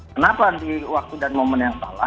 kenapa di waktu dan momen yang salah